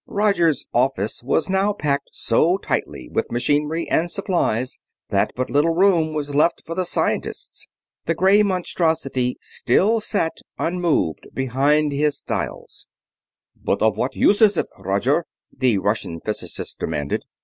Roger's "office" was now packed so tightly with machinery and supplies that but little room was left for the scientists. The gray monstrosity still sat unmoved behind his dials. "But of what use is it, Roger?" the Russian physicist demanded.